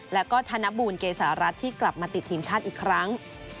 แล้วก็ธนบูลเกษารัฐที่กลับมาติดทีมชาติอีกครั้ง